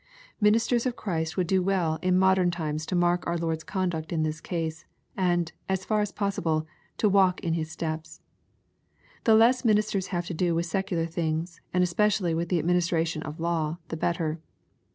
Ministers of Christ would do well in modern times to mark our Lord's conduct in this case, and, as far as possible, to walk in His steps. The less ministers have to do with secular things, and es pecially with the administration of law, the better.